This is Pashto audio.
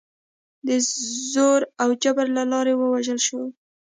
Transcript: د زور او جبر له لارې ووژل شول.